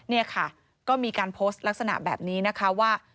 นี่ค่ะก็มีการโพสต์ลักษณะแบบนี้นะคะว่า